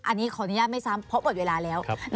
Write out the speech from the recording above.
อันนี้ขออนุญาตไม่ซ้ำเพราะหมดเวลาแล้ว